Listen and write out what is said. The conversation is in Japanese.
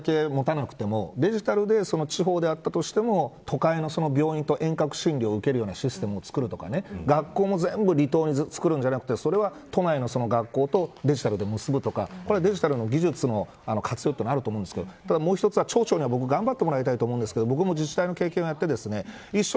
施設をそれだけ持たなくてもデジタルで地方であっても都会の病院と遠隔診療を受けるようにするとか学校も全部離島に作るんじゃなくてそれは都内の学校とデジタルで結ぶとかこれは、デジタルの技術の活用というのはあると思うんですけどただ、もう一つ町長に頑張ってもらいたいと思うんですけど